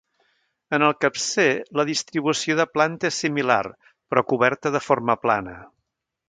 En el capcer la distribució de planta és similar, però, coberta de forma plana.